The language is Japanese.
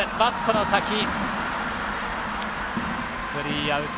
スリーアウト。